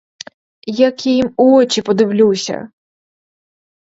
Як я їм у очі подивлюся?!